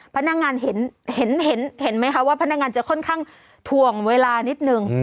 พนักงานเห็นเห็นเห็นเห็นไหมคะว่าพนักงานจะค่อนข้างทวงเวลานิดหนึ่ง